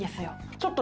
ちょっと。